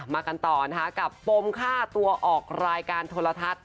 มากันต่อนะคะกับปมฆ่าตัวออกรายการโทรทัศน์